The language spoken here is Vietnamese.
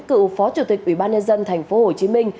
cựu phó chủ tịch ubnd tp hcm